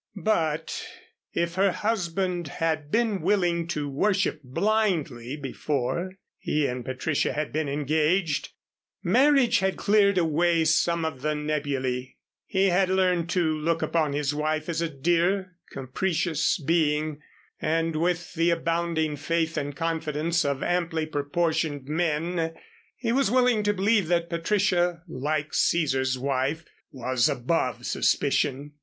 But if her husband had been willing to worship blindly before he and Patricia had been engaged, marriage had cleared away some of the nebulæ. He had learned to look upon his wife as a dear, capricious being, and with the abounding faith and confidence of amply proportioned men he was willing to believe that Patricia, like Cæsar's wife, was above suspicion.